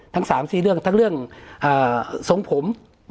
ทั้ง๓๔เรื่องทั้งเรื่องทรงผม